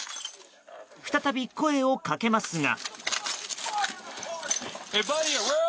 再び、声をかけますが。